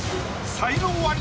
才能アリ？